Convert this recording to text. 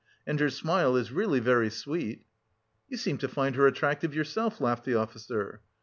And her smile is really very sweet." "You seem to find her attractive yourself," laughed the officer.